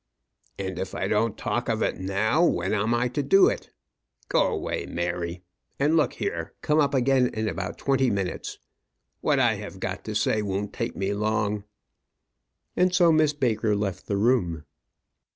"And if I don't talk of it now, when am I to do it? Go away, Mary and look here come up again in about twenty minutes. What I have got to say won't take me long." And so Miss Baker left the room.